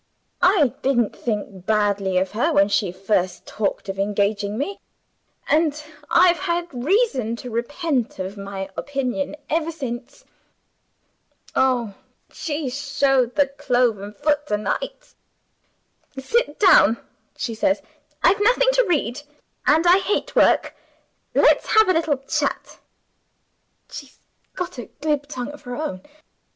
I didn't think badly of her when she first talked of engaging me; and I've had reason to repent of my opinion ever since. Oh, she showed the cloven foot to night! 'Sit down,' she says; 'I've nothing to read, and I hate work; let's have a little chat.' She's got a glib tongue of her own.